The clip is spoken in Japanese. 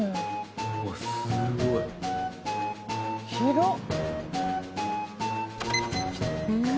うわっすごい。広っ！